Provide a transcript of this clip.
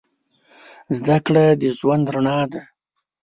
زده کړه د ژوند رڼا ده.